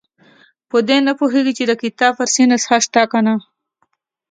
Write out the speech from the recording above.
په دې نه پوهېږي چې د کتاب فارسي نسخه شته که نه.